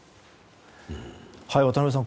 渡辺さん